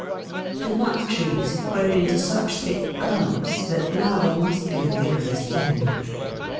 The nut trees have grown into such thick clumps that now there must be a vigorous thinning.